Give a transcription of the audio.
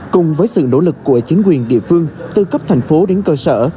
cùng với sự nỗ lực của chính quyền địa phương từ cấp thành phố đến cơ sở